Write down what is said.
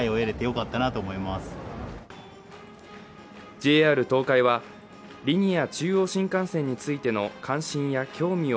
ＪＲ東海は、リニア中央新幹線についての関心や興味を